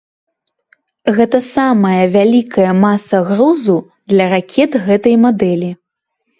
Гэта самая вялікая маса грузу для ракет гэтай мадэлі.